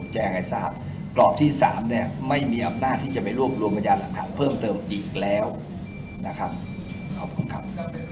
แจ้งให้ทราบกรอบที่๓เนี่ยไม่มีอำนาจที่จะไปรวบรวมพยานหลักฐานเพิ่มเติมอีกแล้วนะครับขอบคุณครับ